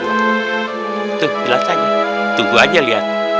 itu jelas aja tunggu aja lihat